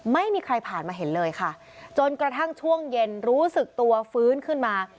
ไม่มีใครผ่านมาเห็นเลยค่ะจนกระทั่งช่วงเย็นรู้สึกตัวฟื้นขึ้นมา